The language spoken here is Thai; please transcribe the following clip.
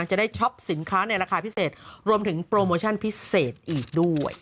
จะได้ช็อปสินค้าในราคาพิเศษรวมถึงโปรโมชั่นพิเศษอีกด้วย